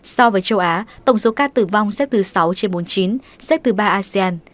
so với châu á tổng số ca tử vong xếp thứ sáu trên bốn mươi chín xếp thứ ba asean